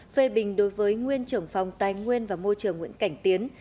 phê bình đối với nguyên trưởng phòng tài nguyên và môi trường nguyễn cảnh tiến